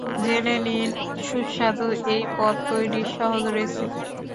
জেনে নিন সুস্বাদু এই পদ তৈরির সহজ রেসিপি।